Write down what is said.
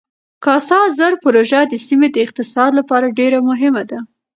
کاسا زر پروژه د سیمې د اقتصاد لپاره ډېره مهمه ده.